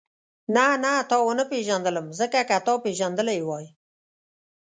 نه نه تا ونه پېژندلم ځکه که تا پېژندلې وای.